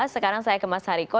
sekarang saya ke mas hariko